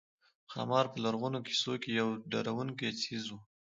ښامار په لرغونو قصو کې یو ډارونکی څېز وو